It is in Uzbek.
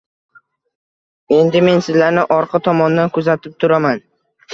Endi men sizlarni orqa tomondan kuzatib turaman.